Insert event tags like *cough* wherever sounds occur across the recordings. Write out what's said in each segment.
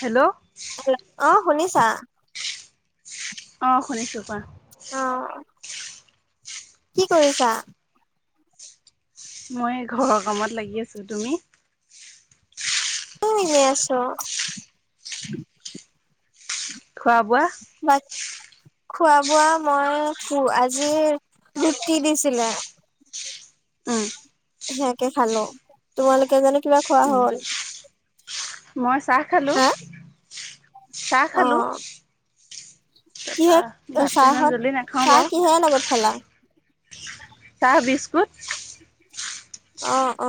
Hello. Hello অ শুনিছা। অ শুনিছো কোৱা। কি কৰিছা? মই ঘৰৰ কামত লাগি আছো, তুমি? তুমি এনে আছো *unintelligible* খোৱা বোৱা? ব *unintelligible* খোৱা বোৱা মই খো আজি ৰুটি দিছিলে। উম। সেয়াকে খালো, তোমালোকে জানো কিবা খোৱা উম হল। মই চাহ খালো। হা চাহ অ খালো। কিহে ইমান চাহৰ জল্দি নাখাওঁ চাহ বাৰু কিহৰ লগত খালা? চাহ বিস্কুট। অ অ।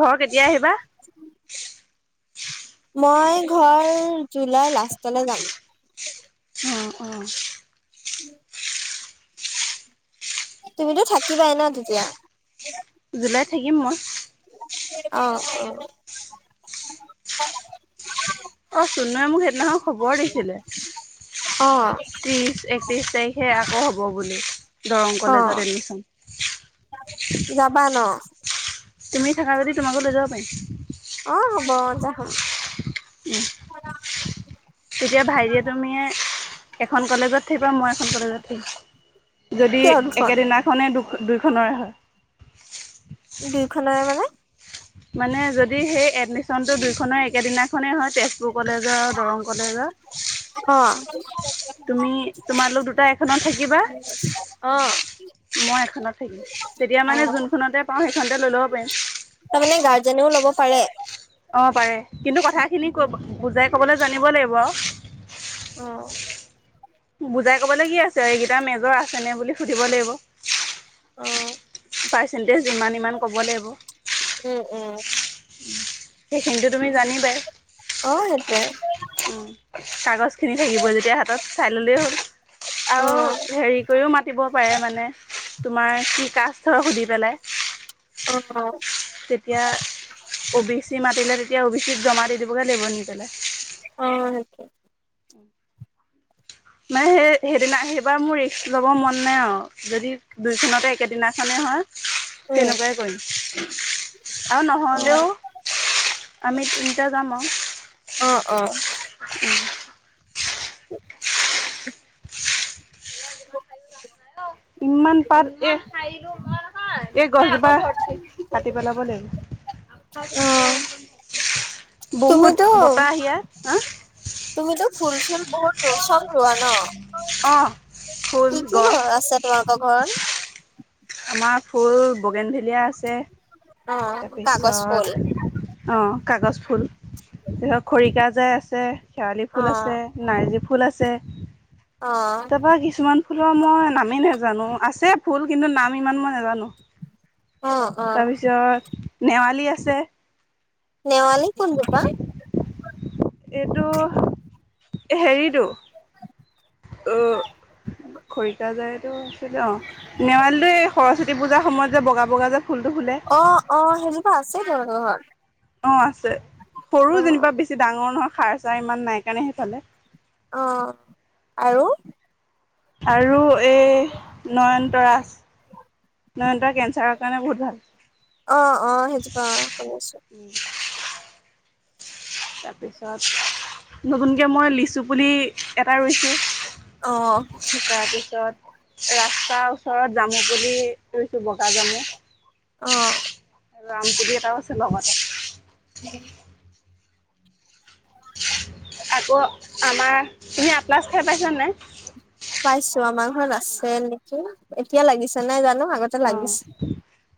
ঘৰ কেতিয়া আহিবা? *unintelligible* মই ঘৰ জুলাই লাষ্টলৈ যাম। অ অ। তুমিতো থাকিবাই ন তেতিয়া?। জুলাইত অ অ। অ চুনুৱে মোক সেইদিনাখনৰ খবৰ দিছিলে। অ। ত্ৰিশ তাৰিখে আকৌ হ'ব বুলি দৰং কলেজত এডমিচন। যাবানো? তুমি থাকা যদি তোমাকো লৈ যাব পাৰিম। অ হব যা। উম। তেতিয়া ভাইটিয়ে তুমিয়ে এখন কলেজত থাকিবা, মই এখন কলেজত থাকিম। যদি কিয় দুখন একেদিনাখনেই দু দুইখনৰে হয়। দুইখনৰে মানে মানে যদি সেই এডমিচ্যন টো দুইখনৰ একেদিনাখনেই হয়, তেজপুৰ কলেজৰ দৰং অ কলেজৰ। তুমি তোমালালোক দুটা এখনত থাকিবা।, অ মই এখনত থাকিম তেতিয়া অ মানে যোনখনতে পাওঁ সেইখনতে লৈ ল'ব পাৰিম। তাৰমানে অ পাৰে কিন্তু কথাখিনি ক বুজাই ক'বলৈ জানিব লাগিব আৰু। অ', *unintelligible* বুজাই ক'বলৈ কি আছে এইকেইটাৰ মেজৰ আছেনে বুলি সুধিব লাগিব। অ। পাৰ্চেণ্টেজ ইমান ইমান ক'ব লাগিব। উম, উম, সেইখিনটো অ', সেইটোৱে উম কাগজ খিনি থাকিব যেতিয়া হাতত চাই ল'লেই হ'ল। আৰু অ', হেৰি কৰিও মাতিব পাৰে মানে। তোমাৰ কি কাজ ধৰ সুধি পেলাই অ', তেতিয়া অ' বি চি মাতিলে। এতিয়া অ' বি চিত জমা দি দিবগৈ লাগিব নিজলে অ' সেইটো। মানে সেই সেইদিনা সেইবাৰ মোৰ ৰিস্ক লব মন নাই আৰু, যদি দুইখনতে একেদিনাখনে হয়। উম, তেনেকুৱাই কৰিম। আৰু অ', নহ'লেও আমি তিনিটা যাম আৰু অ', অ', উম'। *inaudible* *inaudible* ইমান পাত। এই গছজোপা কাটি পেলাব লাগিব। অ'। বহুত তুমিটো, বতাহ ইয়াত হা তুমিটো ফুল চুল বহুত ৰচন ৰোৱা ন' অঁ ফুল কি কি গছ ঘৰ আছে তোমালোকৰ ঘৰত আমাৰ ফুল বগেনভেলিয়া আছে। অ', কাগজ ফুল তাৰপিছত অ' কাগজ ফুল ধ ধৰক খৰিকাজাই আছে, শেৱালি ফুল অ', আছে, নাৰ্জী ফুল ফুল আছে। অ', তাৰাপা কিছুমান ফুলৰ মই নামে নেজানো। জানো আছে ফুল কিন্তু নাম ইমান মই নাজানো। অ', অ', তাৰপিছত নেৱালী আছে। নেৱালি কোন জোপা? এইটো হেৰিটো অ'। খৰিকাজায়টো আছিলে অ' নেৱালী, সৰস্বতী পূজাৰ সময়ত যে বগা-বগা যে ফুলটো ফুলে অ', -অ' সেই জোপা আছে তেওঁলোকৰ ঘৰত। অ' আছে সৰু অ', যেনিবা বেছি ডাঙৰ নহয়, সাৰ-চাৰ ইমান নাই কাৰণে সেইফালে। অ' আৰু আৰু এই নয়ন তৰা নয়ন তৰা কেঞ্চাৰৰ কাৰণে বহুত ভাল। অ', -অ' সেইজোপা শুনি আছো। তাৰপিছত নতুনকৈ মই লিচু পুলি এটা ৰুইছো। অ', তাৰপিছত ৰাস্তাৰ ওচৰত জামু বুলি কৈছো বগা জামু অ', ৰামপুলি এটাও আছে লগতে আকৌ আমাৰ তুমি আপলাছ খাই পাইছানে নাই? পাইছো আমাৰ ঘৰত আছে নেকি, এতিয়া লাগিছে নাই জানো আগতে অ লাগিছিল।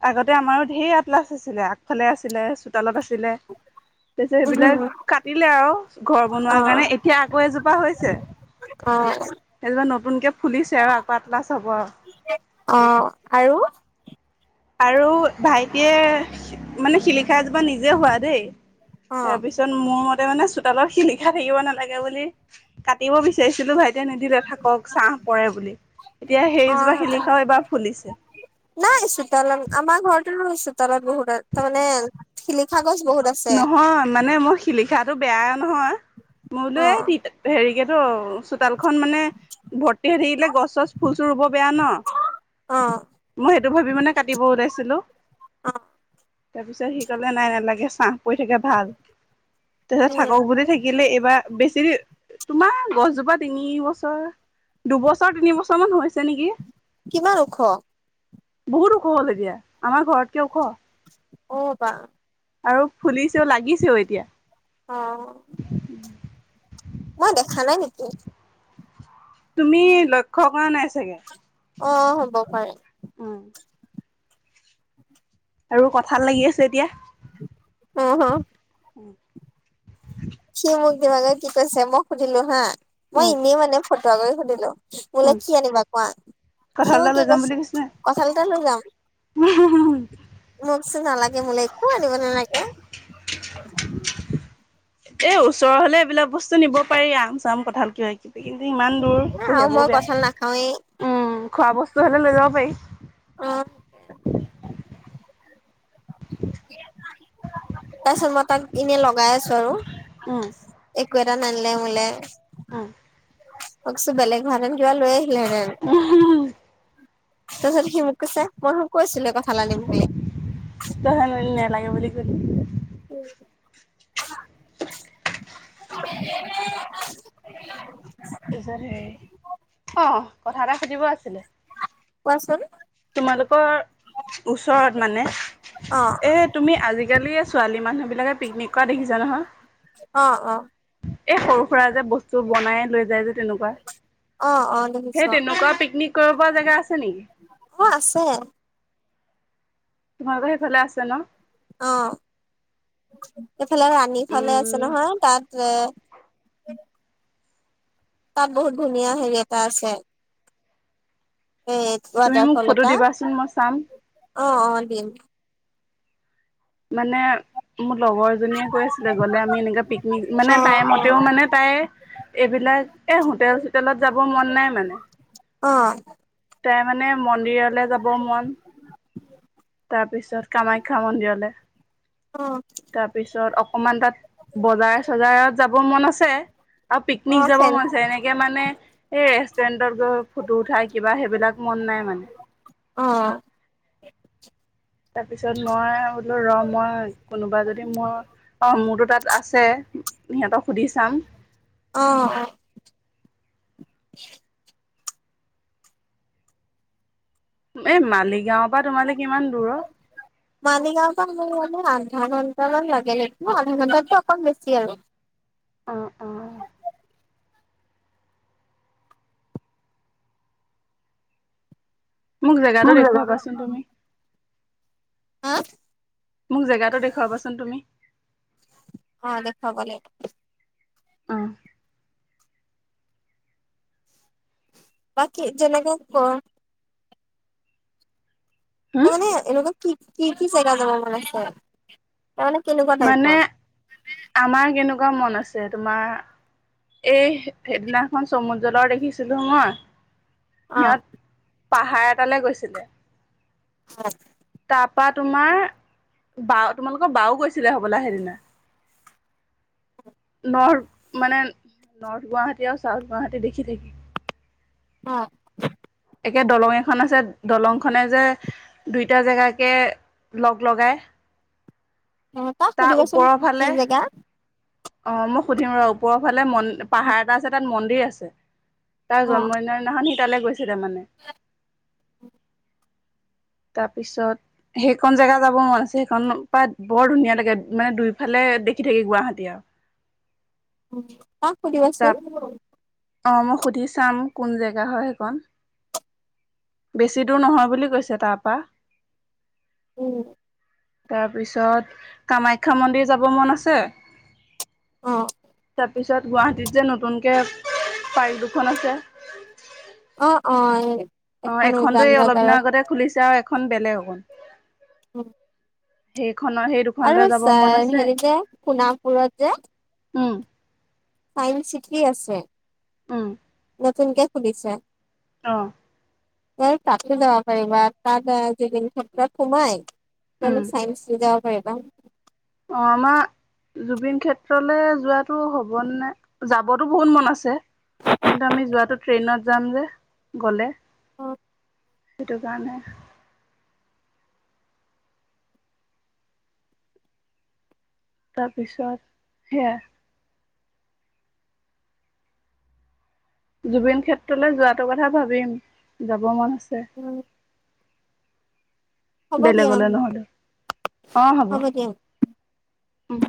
আগতে আমাৰো ধেৰ আটলাচ আছিলে আগফালে আছিলে চোতালত আছিলে। তাৰপিছত সেইবিলাক অ কাটিলে আৰু ঘৰ বনোৱা কাৰণে এতিয়া আকৌ এজোপা হৈছে। অ সেইজোপা নতুনকে ফুলিছে আৰু আকৌ আটলাছ হ'ব। অ' আৰু আৰু ভাইটিয়ে মানে শিলিক সেইজোপা নিজে হোৱা দেই অ তাৰপিছত মোৰ মতে মানে অলপ শিলখা থাকিব নালাগে বুলি কাটিব বিচাৰিছিলো ভাইটি তেতিয়া নিদিলে থাকক ছাহ পৰে বুলি, এতিয়া অ সেইজোপা শিলি খাও এইবাৰ ফুলিছে। নাই চোতালত আমাৰ ঘৰটো চোতালত বহুত তাৰ মানে শিলি খা নহয় মানে মই শিলিখাটো বেয়াই নহয়। অ মইলৈয়ে তি হেৰিকেতো চোতালখন মানে ভৰ্তি হৈ থাকিলে গছ-চছ, ফুল-চুল ৰুব বেয়া ন, অ মই সেইটো ভাবি মানে কাটিব ওলাইছিলো। অ তাৰ পিছত সি কলে নাই নালাগে ছাঁ পৰি থাকে ভাল তাৰপিছত উম থাকক বুলি থাকিলে এইবাৰ বেছেৰি তোমাৰ গছজোপা তিনি বছৰ, দুবছৰ তিন বছৰ মান হৈছে নেকি। কিমান ওখ? বহুত ওখ হ'ল এতিয়া, আমাৰ ঘৰতকে ওখ। অ', বা। আৰু ফুলিছেও লাগিছেও এতিয়া। অ'। মই দেখা নাই নেকি। তুমি লক্ষ্য কৰা নাই চাগে। অ', হ'ব পাৰে। উম', আৰু কঠাল লাগি আছে এতিয়া। অহ, হ'। উম। *unintelligible* কি কৈছে মই সুধিলোঁ হা, মই উম ইনেই মানে ফটোৱা কৰি সুধিলোঁ। মোলে কি আনিবা কোৱা, কঁঠাল সিও এটা কি লৈ যাম কৈছে বুলি কৈছিলে কঠালটো লৈ যাম। এ' এই ওচৰ হ'লে এইবিলাক বস্তু নিব পাৰি আম, চাম, কঁঠাল। কিবা কিবি কিন্তু ইমান দূৰ আৰু কঢ়িয়াবও মই বেয়া, কঁঠাল নাখাওৱেই উম', খোৱা বস্তু তোৰ হলে লৈ যাব পৰি। অ', তাৰপিছত মই তাক এনে লগাই আছো আৰু। উম। কিয় নানিলে মোলে? উম', *unintelligible* বেলেগ হোৱাহেঁতেন কিবা লৈ আহিলে হেঁতেন। তাৰপিছত সি মোক কৈছে, মইতো কৈছিলোৱে কঠাল আনিম বুলি। তইহে নহলি নালাগে বুলি কৈছিলি। উম', তাৰপিছত হেৰি অ', কথা এটা সুধিব আছিলে? কোৱাচোন। তোমালোকৰ ওচৰত মানে অ এ, তুমি আজিকালি ছোৱালী মানুহবিলাকে পিকনিক কৰা দেখিছা নহয়? অ', অ'। এ, সৰু সুৰা যে, বস্তু বনাই লৈ যায় যে তেনেকুৱা। অ অ দেখিছো সেই তেনেকুৱা পিকনিক কৰিব পৰা জেগা আছে নেকি? অ', আছে। তোমালোকৰ সেইফালে আছে ন? অ'। এইফালে ৰাণীফালে আছে উম নহয় তাত তাত বহুত ধুনীয়া হেৰি এটা আছে। এই তুমি মোক ৱাটাৰফল ফটো এটা। দিবাচোন মই চাম। অ', অ', দিম। মানে মোৰ লগৰ জনীয়ে কৈ আছিলে, গ'লে আমি এনেকে পিকনিক মানে অ টাইমতেও মানে তাই এইবিলাক এ'হোটেল চোটেলত যাবৰ মন নাই মানে। অ' তাই মানে মন্দিৰলে যাব মন। তাৰপিছত কামাখ্যা মন্দিৰলৈ। অ অ তাৰপিছত অকমান তাত বজাৰ চজাৰত যাব মন আছে। আৰু অ পিকনিক যাব চেন মনছে এনেকে মানে, সেই ৰেষ্টুৰেণ্টত গৈ ফটো উঠা কিবা সেইবিলাক মন নাই মানে। অ তাৰ পিছত মই বোলো ৰ মই কোনোবা যদি মোৰ অ', মোৰতো তাত আছে সিহঁতক সুধি চাম। অ', অ'। এ মালিগাঁও পৰা তোমালে কিমান দূৰ অ? মালিগাঁও *unintelligible* মানে আধা ঘন্টামান লাগে সেইটো আধা ঘণ্টাতকে অকমান বেছি আৰু। অ' অ'। মোক জেগাটো দেখুৱাবাচোন তুমি। হা। মোক জেগাটো দেখুৱাবাচোন তুমি? অ', দেখাব লা উহ। বাকী জেনেকে ক'। হম তাৰ মানে এনেকোৱা কি-কি-কি জেগা যাব মান আছে? তাৰমানে কেনেকুৱা মানে, টাইপৰ আমাৰ কেনেকুৱা মন আছে তোমাৰ এই সেদিনাখন চমুদজলৰ দেখিছিলো মই। অ সিহঁত পাহাৰ এটালৈ গৈছিলে। *unintelligible* তাপা তোমাৰ বা তোমালোকৰ বাও গৈছিলে হ'বলা সেইদিনা। নৰ্থ মানে নৰ্থ গুৱাহাটী আৰু চাউথ গুৱাহাটী দেখি। *unintelligible* অঁ। একে দলং এখন আছে দলংখনে যে দুইটা জেগাকে, লগ লগাই। উম, তাক তাৰ সুধিবাচোন ওপৰৰ কি ফালে জেগা? অ' মই সুধিম ৰ ওপৰৰ ফালে পাহাৰ এটা আছে তাত মন্দিৰ আছে। তাৰ অ জন্মদিনৰ দিনাখন সি তালৈ গৈছিলে মানে। তাৰপিছত সেইকন জেগা যাব মন আছে সেইখন প বৰ ধুনীয়া লাগে মানে দুইফালে দেখি থাকি গুৱাহাটী আৰু। উম, অ', সুধিবাচোন। তাত অ', মই সুধি চাম কোন জেগা হয় সেইখন। বেছি দূৰ নহয় বুলি কৈছে তাৰপা। উম। তাৰপিছত কামাখ্যা মন্দিৰ যাব মন আছে। অ তাৰপিছত তাৰপিচত গুৱাহাটীত যে নতুনকে পাৰ্ক দুখন আছে। অঁ অঁ। অ', এখন তো এই অলপ দিনৰ আগতে খুলিছে আৰু এখন বেলেগ হ'ব। উম। সেইখনৰ সেই দুখনলৈ যাব মন আছে। হেৰি যে সোণাপুৰত যে উম। চাইন্স চিটি আছে। উম। নতুনকে খুলিছে। অ'। এই তাতে যাব পাৰিবা, তাত এ, *inaudible* সোমায় উম তেওঁলোক চাইন্স যাব পাৰিবা। অ, আম জুবিন ক্ষেত্ৰলৈ যোৱাতটো হ'বনে? যাবতো বহুত মন আছে। কিন্তু আমি যোৱাাতো ট্ৰেইনত যাম যে। গ'লে অ' সেইটো কাৰণে। তাৰপিছত সেইয়া। জুবিন ক্ষেত্ৰলৈ যোৱাটো কথা ভাবিম। যাব মন আছে। উম। বেলেগলৈ নহলেও। অ, হ'ব। উম।